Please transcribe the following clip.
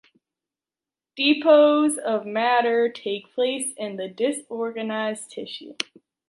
Depots of matter take place in the disorganized tissue.